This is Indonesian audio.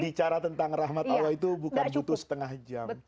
bicara tentang rahmat allah itu bukan butuh setengah jam